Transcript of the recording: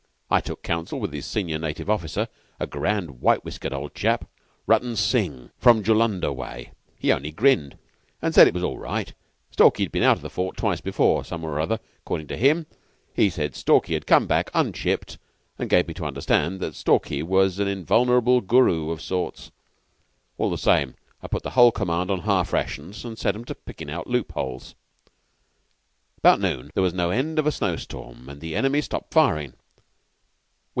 I took counsel with his senior native officer a grand, white whiskered old chap Rutton Singh, from Jullunder way. He only grinned, and said it was all right. Stalky had been out of the fort twice before, somewhere or other, accordin' to him. He said Stalky 'ud come back unchipped, and gave me to understand that Stalky was an invulnerable Guru of sorts. All the same, I put the whole command on half rations, and set 'em to pickin' out loopholes. "About noon there was no end of a snow storm, and the enemy stopped firing.